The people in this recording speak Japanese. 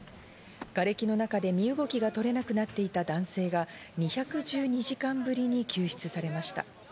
がれきの中で身動きが取れなくなっていた男性が２１２時間ぶりに救出されました。